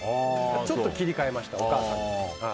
ちょっと切り替えましたお母さんに。